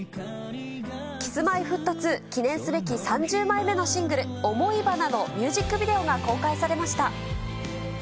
Ｋｉｓ−Ｍｙ−Ｆｔ２、記念すべき３０枚目のシングル、想花のミュージックビデオが公開されました。